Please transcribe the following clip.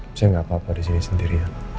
bisa gak apa apa di sini sendiri ya